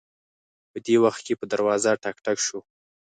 په دې وخت کې په دروازه ټک ټک شو